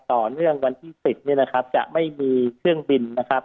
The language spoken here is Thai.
ต่อเนื่องวันที่สิบเนี่ยนะครับจะไม่มีเครื่องบินนะครับ